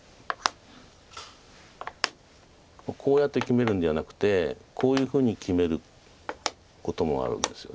こうやって決めるんじゃなくてこういうふうに決めることもあるんですよね。